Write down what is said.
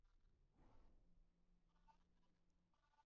كانت ليلى تجالس الصّبيان.